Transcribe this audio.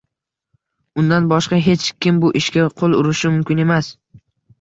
Undan boshqa hech kim bu ishga qoʻl urishi mumkin emas